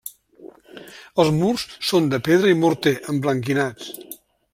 Els murs són de pedra i morter, emblanquinats.